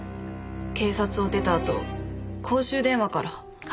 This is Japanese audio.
警察を出たあと公衆電話から。